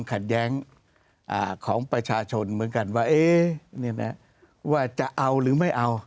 ขัดแย้งของประชาชนเหมือนกันว่าเอ๊ะนี่แหละว่าจะเอาหรือไม่เอา